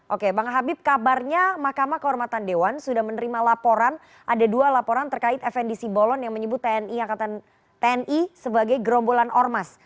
oke bang habib kabarnya mahkamah kehormatan dewan sudah menerima laporan ada dua laporan terkait fnd simbolon yang menyebut tni sebagai gerombolan ormas